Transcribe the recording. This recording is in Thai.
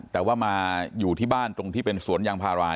แต่ว่ามาอยู่ที่บ้านตรงที่เป็นสวนยางพารา